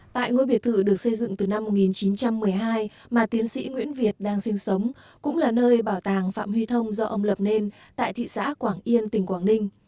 tại ngôi biệt thự được xây dựng từ năm một nghìn chín trăm một mươi hai mà tiến sĩ nguyễn việt đang sinh sống cũng là nơi bảo tàng phạm huy thông do ông lập nên tại thị xã quảng yên tỉnh quảng ninh